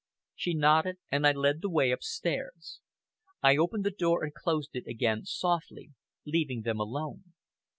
She nodded, and I led the way upstairs. I opened the door and closed it again softly, leaving them alone....